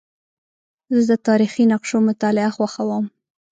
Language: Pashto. زه د تاریخي نقشو مطالعه خوښوم.